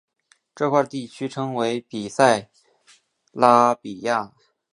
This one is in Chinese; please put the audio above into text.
这块地区称为比萨拉比亚。